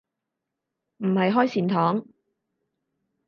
唔係開善堂